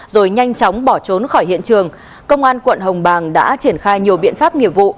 rồi nhanh chóng bỏ trốn khỏi hiện trường công an quận hồng bàng đã triển khai nhiều biện pháp nghiệp vụ